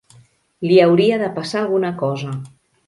Li hauria de passar alguna cosa.